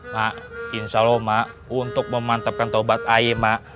mak insya allah mak untuk memantapkan tobat ae mak